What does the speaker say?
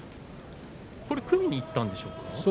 これは組みにいったんでしょうか。